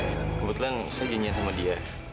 kebetulan saya janjian sama dia